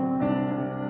え？